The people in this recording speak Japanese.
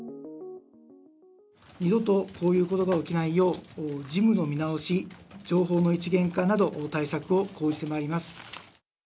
二度とこういうことが起きないよう、事務の見直し、情報の一元化など、対策を講じてまいります。